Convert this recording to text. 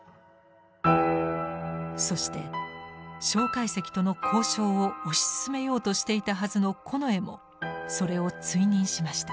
そして介石との交渉を推し進めようとしていたはずの近衛もそれを追認しました。